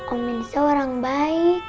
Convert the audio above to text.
om irsa orang baik